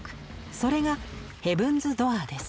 それが「ヘブンズ・ドアー」です。